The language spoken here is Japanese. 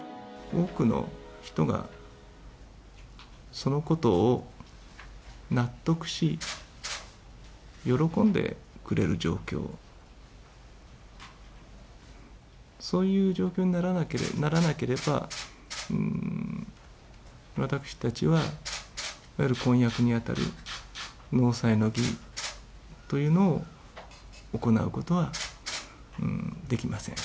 多くの人がそのことを納得し、喜んでくれる状況、そういう状況にならなければ、私たちはいわゆる婚約に当たる納采の儀というのを行うことはできません。